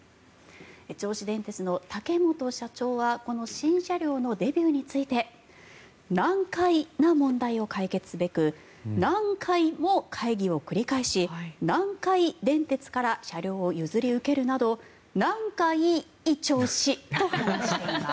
銚子電鉄の竹本社長はこの新車両のデビューについて難解な問題を解決すべく何回も会議を繰り返し南海電鉄から車両を譲り受けるなどなんかいい調子と話しています。